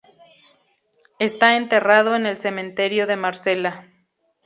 Está enterrado en el cementerio de Marsella.